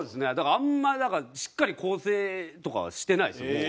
あんまりだからしっかり構成とかはしてないですよもう。